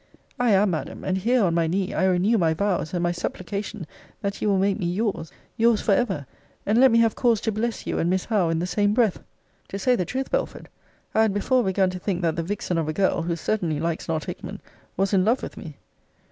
I am, Madam. And here, on my knee, I renew my vows, and my supplication, that you will make me your's. Your's for ever. And let me have cause to bless you and Miss Howe in the same breath. To say the truth, Belford, I had before begun to think that the vixen of a girl, who certainly likes not Hickman, was in love with me.